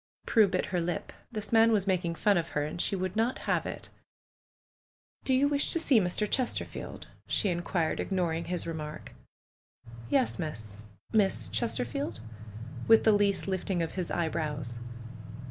Prue bit her lip. This man was making fun of her, and she would not have it. "Do you wish to see Mr. Chesterfield?" she inquired^ ignoring his remark. "Yes, Miss — Miss Chesterfield?" with the least lift ing of his eyebrows.